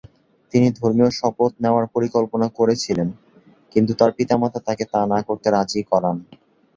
তিনি ধর্মীয় শপথ নেওয়ার পরিকল্পনা করেছিলেন, কিন্তু তার পিতামাতা তাকে তা না করতে রাজি করান।